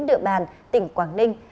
đựa bàn tỉnh quảng ninh